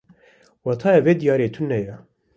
Wateya vê diyariyê tune ye.